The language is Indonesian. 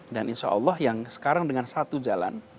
dan insya allah yang sekarang dengan satu jalan